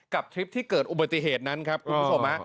ทริปที่เกิดอุบัติเหตุนั้นครับคุณผู้ชม